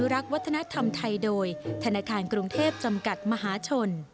รักษ์วัฒนธรรมไทยโดยธนาคารกรุงเทพจำกัดมหาชน